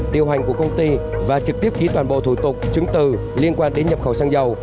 điều hành của công ty và trực tiếp ký toàn bộ thủ tục chứng từ liên quan đến nhập khẩu xăng dầu